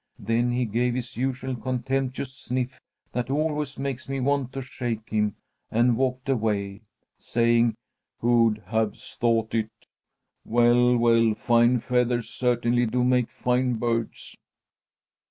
Then he gave his usual contemptuous sniff that always makes me want to shake him, and walked away, saying: 'Who'd have thought it! Well, well, fine feathers certainly do make fine birds!'"